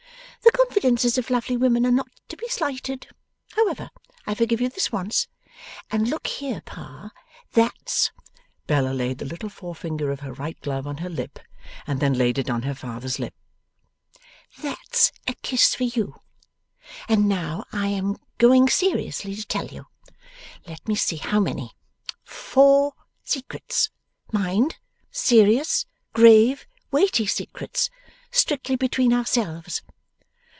The confidences of lovely women are not to be slighted. However, I forgive you this once, and look here, Pa; that's' Bella laid the little forefinger of her right glove on her lip, and then laid it on her father's lip 'that's a kiss for you. And now I am going seriously to tell you let me see how many four secrets. Mind! Serious, grave, weighty secrets. Strictly between ourselves.